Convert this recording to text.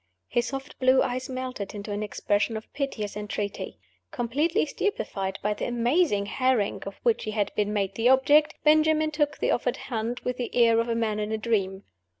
His soft blue eyes melted into an expression of piteous entreaty. Completely stupefied by the amazing harangue of which he had been made the object, Benjamin took the offered hand, with the air of a man in a dream.